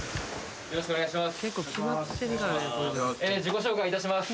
よろしくお願いします